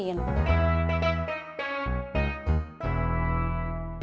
hei tukang ojek